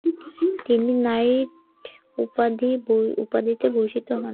তিনি নাইট উপাধিতে ভূষিত হন।